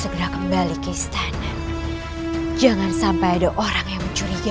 kau katimu akan mengalahkan aku